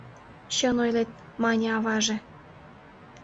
— Чын ойлет, — мане аваже.